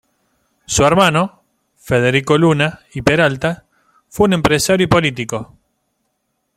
Su hermano, Federico Luna y Peralta, fue un empresario y político.